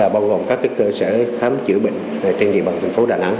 bao gồm các cơ sở khám chữa bệnh trên địa bàn thành phố đà nẵng